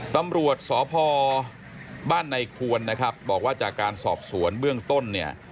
ตำรวจสพบ้านในควรบอกว่าจากการสอบสวนเบื้องต้น